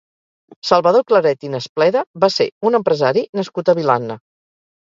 Salvador Claret i Naspleda va ser un empresari nascut a Vilanna.